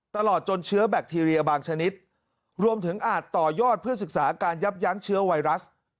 ตลอดจนเชื้อแบคทีเรียบางชนิดรวมถึงอาจต่อยอดเพื่อศึกษาการยับยั้งเชื้อไวรัส